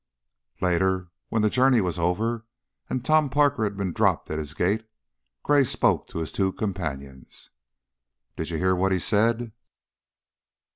Later, when the journey was over and Tom Parker had been dropped at his gate, Gray spoke to his two companions. "Did you hear what he said?"